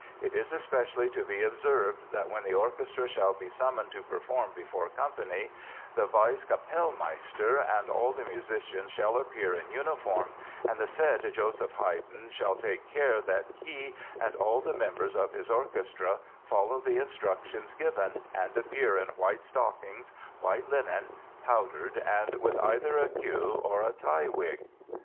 It is especially to be observed that when the orchestra shall be summoned to perform before company, the Vice Capellmeister and all the musicians shall appear in uniform, and the said Joseph Heyden shall take care that he and all the members of his orchestra follow the instructions given and appear in white stockings, white linen, powdered and with either a queue or a tie wig....